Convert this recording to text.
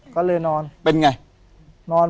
ก็เลยนอน